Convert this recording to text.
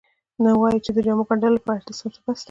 نو وایي چې د جامو ګنډلو لپاره اته ساعته بس دي.